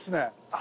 あ。